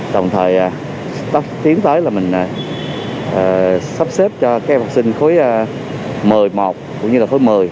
đồng thời tiến tới là mình sắp xếp cho các em học sinh khối một mươi một cũng như là khối một mươi